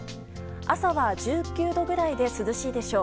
朝は１９度くらいで涼しいでしょう。